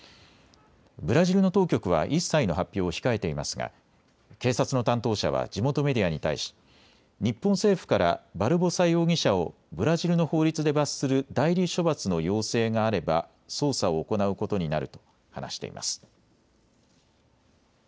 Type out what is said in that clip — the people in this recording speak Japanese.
ブラジルの当局は一切の発表を控えていますが警察の担当者は地元メディアに対し、日本政府からバルボサ容疑者をブラジルの法律で罰する代理処罰の要請があれば捜査を行うことになると話しています。